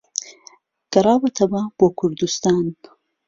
گەڕاوەتەوە بۆ کوردوستان